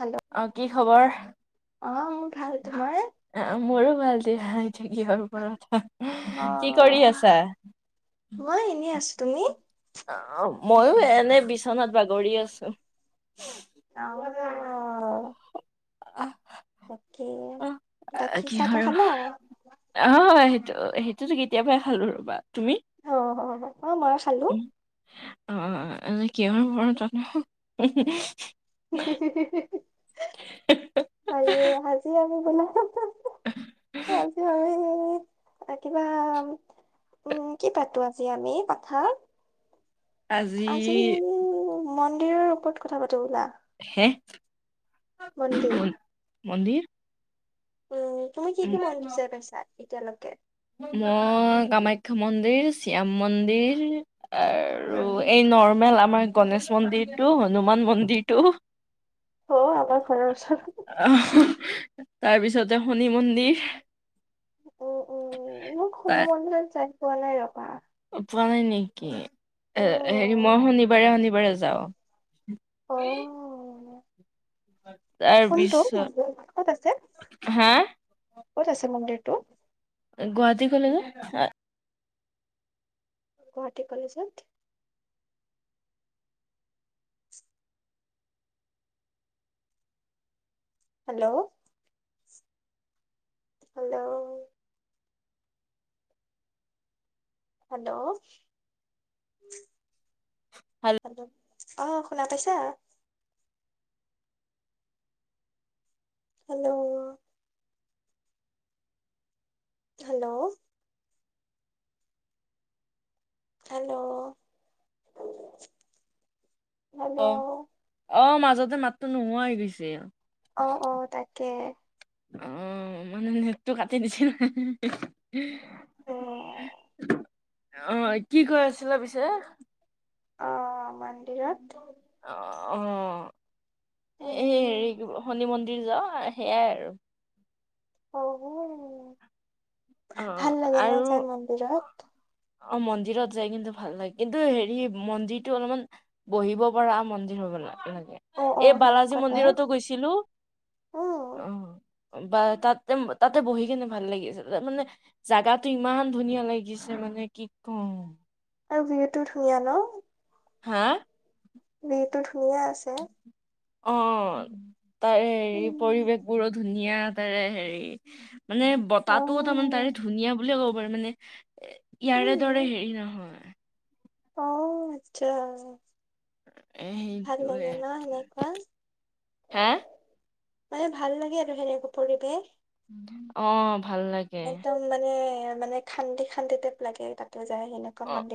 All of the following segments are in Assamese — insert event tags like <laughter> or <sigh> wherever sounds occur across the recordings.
হেল্ল' অ', কি খবৰ? অ', মোৰ ভাল, তোমাৰ? অ', মোৰো ভাল দিয়া <unintelligible> কিহৰ ওপৰত, অ কি কৰি আছা? মই এনেই আছো, তুমি? ময়ো এনে বিছনাত বাগৰি আছো। অ'। বাকী বাকী চাহ তাহ কিহৰ খালা অ'। সেইটোতো কেতিয়াবাই খালো ৰ'বা, তুমি অ অ অ', মই খালো। অ', কিহৰ <unintelligible> <unintelligible> আজি আমি <unintelligible> আজি আমি কিবা উম, কি পাতো আজি আমি কথা? আজি মন্দিৰৰ ওপৰত কথা পাতো ব'লা। হে? মন্দিৰ মন্দিৰ উম, তুমি কি কি মন্দিৰ চাই পাইছা এতিয়ালৈকে? মই কামাখ্যা মন্দিৰ, শ্যাম মন্দিৰ আৰু উম এই নৰ্মেল আমাৰ গনেশ মন্দিৰটো হনুমান মন্দিৰটো অ', আমাৰ ঘৰৰ ওচৰৰ তাৰপিছতে শনি মন্দিৰ উম, উম, মই শনি তাৰ মন্দিৰত যাই পোৱা নাই ৰ'বা। পোৱা নাই নেকি? এ হেৰি অ', মই শনিবাৰে শনিবাৰে যাওঁ। <inaudible> অ', কোনটো তাৰপিছত ক'ত আছে? হা ক'ত আছে মন্দিৰটো? গুৱাহাটী ক'লে যে গুৱাহাটী কলেজত। হেল্ল'। হেল্ল'। Hello hello. অ', শুনা পাইছা? হেল্ল'। হেল্ল'। হেল্ল'। হেল্ল' অ' অ', মাজতে মাতটো নোহোৱা হৈ গৈছিল। অ', অ' তাকে। অ', মানে নেটটো কাটি দিছে অ', অ', কি কৈ আছিলা পিছে? অ', মন্দিৰত। অ', অ', এ উম, এই হেৰি শনি মন্দিৰ। যাও সেইয়াই আৰু। অ', অ ভাল লাগে ন' আৰু যাই মন্দিৰত। অ' মন্দিৰত যায় কিন্তু ভাল লাগে কিন্তু হেৰি মন্দিৰতটো অলপমান বহিব পৰা মন্দিৰ হ লাগে অ', এই অ', বালাজী সেনেকুৱা টাইপ মন্দিৰতো গৈছিলো উম, অ'। বা তাতে তাতে বহি কেনে ভাল লাগি আছে। মানে জাগাতো ইমান ধুনীয়া লাগিছে মানে কি কওঁ। আৰু ভিউটো ধুনীয়া ন'। হা। ভিওটো ধুনীয়া আছে। অ', তাৰে হেৰি উম। পৰিৱেশ বোৰো ধুনীয়া তাৰে হেৰি, মানে অ', বতাহটোও তাৰমানে তাৰে ধুনীয়া বুলিয়ে ক'ব মানে ইয়াৰে দৰে হেৰি নহয়। আহ আচ্ছা। এ ভাল সেইটোৱে লাগে ন', সেনেকুৱা হে মানে ভাল লাগে আৰু সেনেকা পৰিৱেশ। অ'। ভাল লাগে একদম মানে মানে খান্দি খান্দি টাইপ লাগে তাক অ',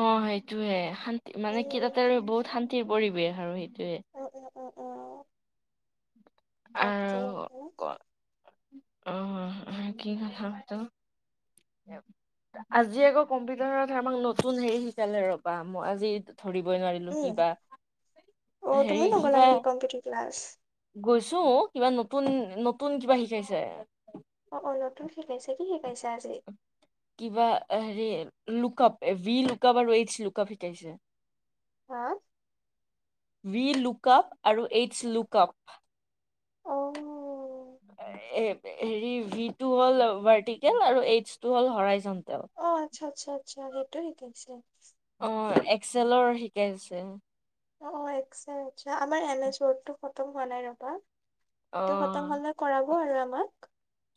অ সেইটোয়ে শান্তি মানে কি তাতে উম, বহুত শান্তি পৰি। ব আৰু সেইটোয়ে। উম, উম, উম, উম, তাকে। ক- আহ আৰু কি কথা হয়টো? আজি আকৌ কম্পিউটাৰত আমাক নতুন হেৰি শিকালে ৰ'বা, মই আজি। ধৰিবই নোৱাৰিলো উম, কিবা অ', হেৰি তুমি নগ'লা কিবা। নেকি কম্পিউটাৰ ক্লাছ? গৈছো কিবা নতুন নতুন কিবা শিকাইছে। অ', অলপো শিকাইছে, কি শিকাইছে আজি? কিবা হেৰি লুকপ ভ লুক আপ আৰু এইচ লুক আপ শিকাইছে। হা। ভি লুক আপ আৰু এইচছ লুক আপ। অ', হেৰি ভি ট হ'ল ভাৰ্টিকেল আৰু এইডছ টো হ'ল হৰাই যন অ', আচ্ছা আচ্ছা আচ্ছা সেইটো শিকাইছে অ', এক্সেলৰ শিকাইছে। অ', আমাৰ এজটো ফম হোৱা নাই ৰবা এইটো খতম অ', হ'লে কৰাব আৰু আমাক।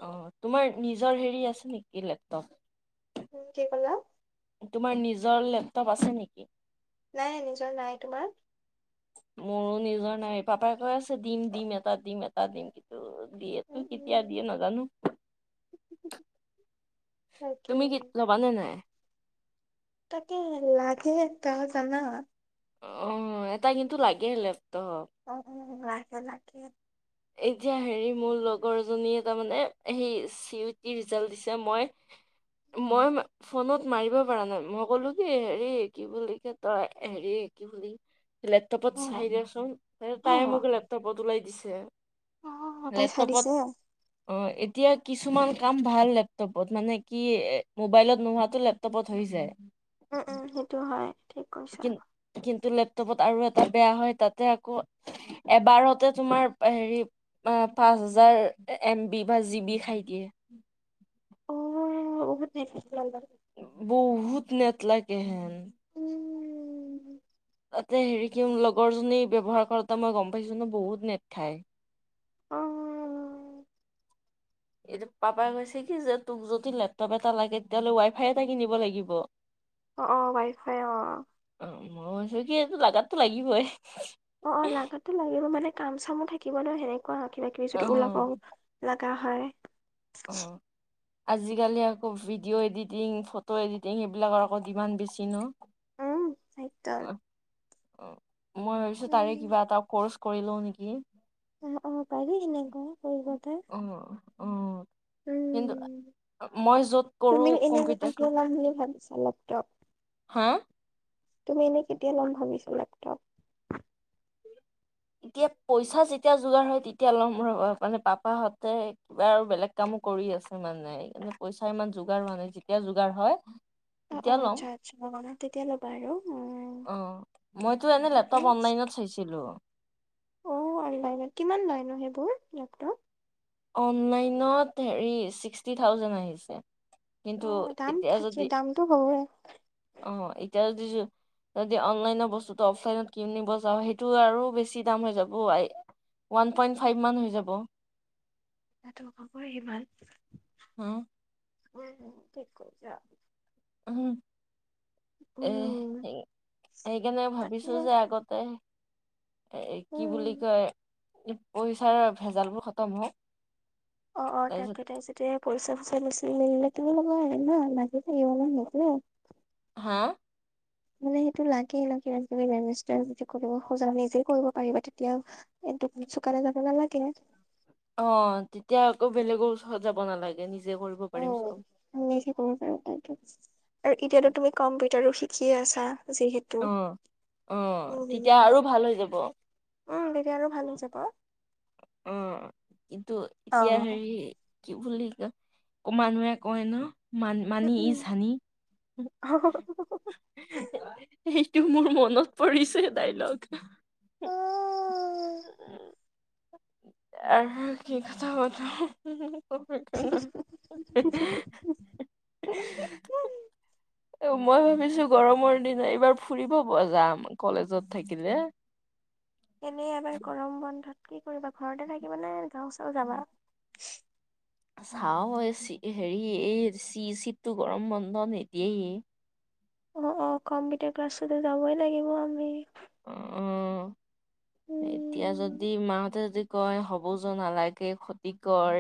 অ', তোমাৰ নিজৰ হেৰি আছে নেকি লেপটপ। উম কি ক'লা? তোমাৰ নিজৰ লেপটপ আছে নেকি? নাই নিজৰ নাই তোমাৰ মোৰো নিজৰ নাইী পাপাই কৈ আছে দিম দিম এটা দিম এটা দিম কিন্তু দিয়েতো উম, কেতিয়া উম। দিয়ে নাজানো তাকে, তুমি গীত ল'বানে নাই তাকে লাগে ত জানা অ এটা কিন্তু লাগে হলে অ গ লাকে এতিয়া হেৰি মোৰ লগৰ জনী তাৰ মানে সেই চি ইউটি ৰিজাল্ট দিছে মই উম, মই ফোনত মাৰিব পৰা নাই মই ক'লো কি হেৰি কি বুলি ক ত হেৰি কি বুলি লেপটপত চাই অ', দিয়চোন তাই অ', মোক লেপটপত ওলাই দিছে অ তাই লেপটপত খালিছে অ এতিয়া কিছুমান কাম ভাল লেপটপত মানে কি এ মোবাইলত নোহোৱাাতো লেপটপত হৈ যায় উম উম সেইটো হয় ঠিক কৈছা কিন আৰু কিন্তু লেপটপত আৰু এটা বেয়া হয় তাতে আকৌ এবাৰতে তোমাৰ হেৰি অ পাঁচ হাজাৰ এম বি বা জি বি খাই দিয়ে অ উ থঠ বহুত নেত লাগে হন উম উ তাতে হেৰি কি লগৰজনী ব ব্যয়ৱহাৰ কৰতে মই গম পাইছো ন বহুত নেট খাই অ', এই পাপাই কৈছে কি যে তোক যদি লেপটপ এটা লাগে তেতিয়াহ'লে ৱাইফাই এটা কিনিব লাগিব অ অ বাইফাই অ মইচকটো ল লগাগাতটো লাগিবই অ অ লাগতেো লাগিব মানে কাম চামো থাকিব ল সেনেকে ৰাখি ৰাখিবি অ যদি ওলাবও লগা হয় অ আজিকালি আকৌ ভিডিঅ' এডিটিং ফটো এডিটিং এইবিলাকৰ আকৌ যিমান বেছি ন উম চাইটল অ অ মই ভাবিছো তাৰে কিবা এটা কৰ্চ কৰিলো নেকি অ অ পাৰি সেনেকুৱা কৰিবলে আহ উ কিন্তু উম মই য'ত কৰো তুমি এনে কম্পিউটাৰ ক কেতিয়া ল'ম বুলি ভাবিছা লেপটপ হা তুমি এনেই কেতিয়া ল'ম ভাবিছো লেপটপ এতিয়া পইচা যেতিয়া যোগাৰ হয় তেতিয়া ল'ম ৰবা মানে পাপাহতে কিবা আৰু বেলেগ কামত কৰি আছে মানে সকাৰে পইচা ইমান যোগাৰ হোৱা নে যেতিয়া যোগাৰ হয় অ অ তেতিয়া ল'ম আচ্ছা আচ্ছা তেতিয়া ল'বা আৰু উ অ মইতো এনে লেপটপ অনলাইনত চাইছিলো অ অনলাইন কিমান লাইন সেইবোৰ লেপটপ অনলাইনত হেৰি ছিক্সটি থাউজেড আহিছে অ কিন্তু দাম এতিয়া থাকে যদি দামটো হ'বই আহ এতিয়া যদি যদি অনলাইনৰ বস্তুতটো অফলাইনত কিনিব যাওঁ সেইটো আৰু বেছি দাম হৈ যাব ওৱান পইণ্ট ফাইভ মান হৈ যাব তাতো হ'বই সিমান হা উম হম ঠিক কৰি য উ এ উম সেইকাৰণে তাকে ভাবিছো যে আগতে এ কি বুলি উম কয় পইচাৰ ভেজালবোৰ খতম হওঁ অ অ তাকে তাৰ যতে পচা পচা লৈছে মেল লাকিব লগা আহ ন মাজি থ আহিব নছিল হা মানে সেইটো লাগে ৰাজনৈতিাৰ <unintelligible> যদি কৰিব খোজা নিজেই কৰিব পাৰিবা তেতিয়াও চুকানে যাব ন লাগে অ তেতিয়া আকৌ বেলেগৰ ওচৰত যাব নালাগে নিজ আৰু এতিয়াতো তুমি কম্পিউটাৰো কি আছা যিহেতু অ, অ উম তেতিয়া আৰু ভাল হৈ যাব। উম তেতিয়া আৰু ভাল হৈ যাব অ কিন্তু এতিয়া উম, হেৰি কি বুলি ক ক মানুহে কয় ন মান মানি ই উম। জানি টো মোৰ মনত পৰিছে ডাইলগ আৰু কি কথা কথা <unintelligible> অ খা মই ভাবিছো গৰমৰ দিনা এইবাৰ ফুৰিব পৰা যাম কলেজত থাকিলে এনে এবাৰ গৰম বন্ধত কি কৰিবা ঘৰতে থাকিব নে গাও চাউ যাবা চাও এই চি হেৰি এই চি চিটো গৰম বন্ধ নিদিয়েই অ, অ কম্পিউটাৰ ক্লাছতে যাবই লাগিব আমি অ উ এতিয়া উম যদি মাহঁতে যদি কয় হব য নালাগে খতি কৰ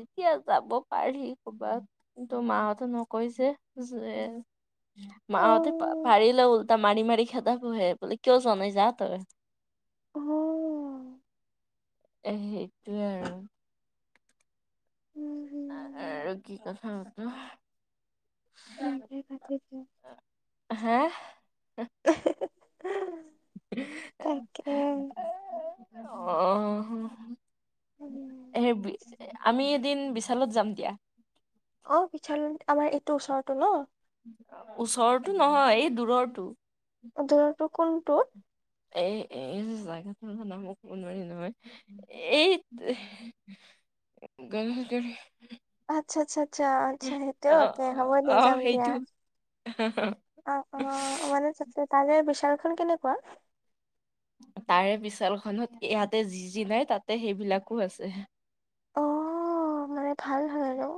এতিয়া যাব পাৰি ক'ৰবাত কিন্তু মাহঁতে নকৈ যে যে অ মাহঁতে পাৰিলে উল্টা মাৰি মাৰি খেদাবহে বুলে কিয় যোৱা নাই যা তই আহ এ সেইটোৱে আৰু উম আহ হম। আৰু কি কথা হত খাত <unintelligible> হা হ আহ অ উম, সেই আমি দিন বিশালত যাম দিয়া অ বিচাৰো আমাৰ এইটো ওচৰৰতো ন ওচৰৰতো নহয় এই দূুৰৰতো ধটো কোনটো এ এই জগাটো নাম কব নোৱাৰি নহয় এই গল তে আচ্ছা, আচ্ছা, আচ্ছা, আচ্ছা অ', সেইটোওকে হ'ব দিয়া অ', যাম দিয়া সেইটো আহ অ মানে ত তাল বিশাচালখন কেনেকুৱা তাৰে বিশাছালখনত ইয়াতে যি যি নাই তাতে সেইবিলাকো আছে ম ভাল হয় আৰু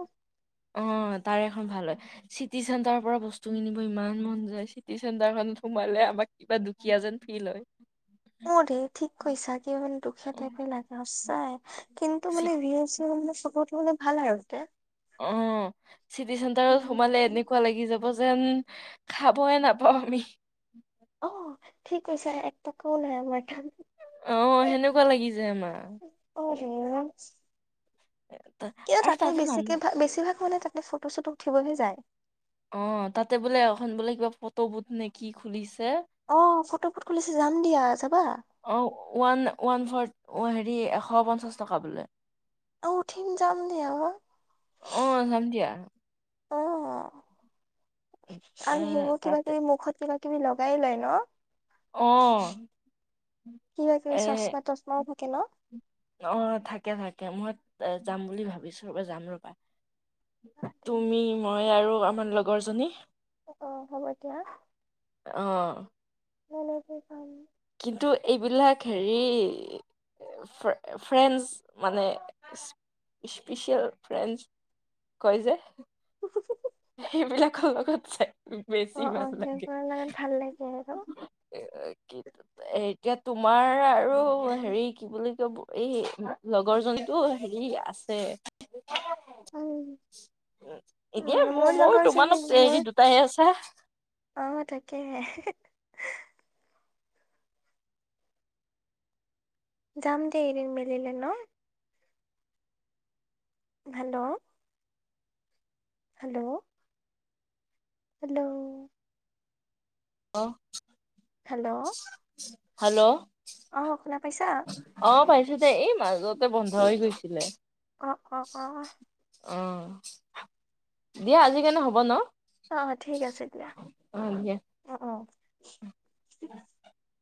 অ তাৰে ভাল হয় চিটি চেণ্টাৰৰ পৰা বস্তু কিনিব ইমান মন যায়। চিটি চেণ্টাৰ খনত সোমালে কিবা দুখীয়া যেন ফিল হয়। অ দেই ঠিক কৈছা কি মানে দুখীয়া উম, টাইপে লাগে সচাই কিন্তু মানে চি- মানে ছবতৰটো মানে ভাল আৰু উতে <unintelligible> অ চিটি চেণ্টাৰত উম সোমালে এনেকুৱা লাগি যাব যেন খাবয়ে নাপাওঁ আমি অ ঠিক কছে একটকাও নাই আমাৰ কাম আহ সেনেকুৱা লাগি যায় আমাৰ উ তা- কিন্তু আৰু তাতে মানুহ বেছিকে বেছিভাগ মানে তাতে ফটো চটো উঠিবহে যায়। অ' তাতে বোলে এখন বোলে কিবা পট বুট নে কি খুলিছে। হে অ ফটো বুট খুলিছে যাম দিয়া যাবা অ' ওৱান, ওৱান পাৰ্টি। অ' হেৰি এশ পঞ্চাশ টকা বোলে। অ' উঠিম যাম দিয়া। অ যাম দিয়া অ এ আৰু সেইবোৰ কিবা তাতে কিবি মুখত কিবা কিবি লগাই লয় ন'। অহ। কিবা কিবি এ চচমা তচমাও থাকে ন অ' থাকে, থাকে। মতো যাম বুলি ভাবিছো ৰবা, যাম ৰবা তুমি মই আৰু আমাৰ লগৰজনী। <inaudible> অহ। <inaudible> কিন্তু এইবিলাক হেৰি ফ্ৰেণ্ডছ মানে স্পেচিয়েল ফ্ৰেণ্ডছ। কৈ যে সেইবিলাকৰ লগত যে অ বেছি অ ভাল লাগে সেইবোৰৰ লগত ভাল লাগে আৰু কি। এতিয়া তোমাৰ আৰু হেৰি কি বুলি কয়, এই লগৰ জনীতো হেৰি আছে। <unintelligible> উম এ মোৰ, মোৰ তোমালোক হেৰি দুটাহে আছা। অহ তাকে হে। জাম দেই এদিন মিলিলে ন'। হেল্ল'। হেল্ল'। হেল্ল'। অহ। হেল্ল'। হেল্ল'। অ শুনা পাইছা। ততে এই মাজতে বন্ধ হৈ গৈছিলে। অ অ অ অ' দিয়া আজিৰ কাৰণে হ'ব ন'। অ' ঠিক আছে, এতিয়া অ' দিয়া। অ, '-অ'। <inaudible>